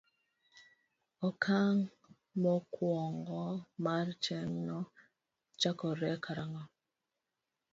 Okang' mokwongo mar chenrono chakore karang'o?